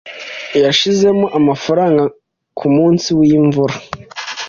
Yashizemo amafaranga kumunsi wimvura.